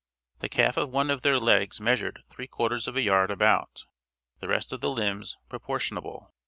The calfe of one of their legges measured three quarters of a yard about; the rest of the limbs proportionable."